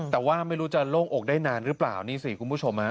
แต่ว่าไม่รู้จะโล่งอกได้นานหรือเปล่านี่สิคุณผู้ชมฮะ